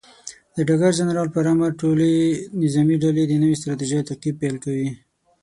د ډګر جنرال پر امر، ټولې نظامي ډلې د نوې ستراتیژۍ تعقیب پیل کوي.